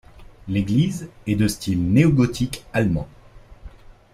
L'église est de style néogothique allemand.